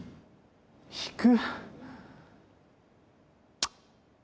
引く？